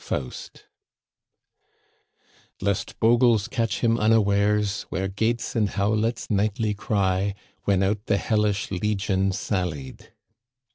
Faust, Lest bogies catch him unawares. ... Where ghaits and howlets nightly cry. ... When out the hellish legion sallied.